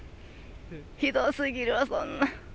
ひどすぎる、そんな。